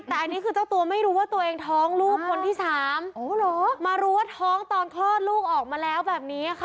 แต่อันนี้คือเจ้าตัวไม่รู้ว่าตัวเองท้องลูกคนที่สามมารู้ว่าท้องตอนคลอดลูกออกมาแล้วแบบนี้ค่ะ